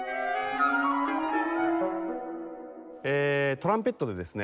トランペットでですね。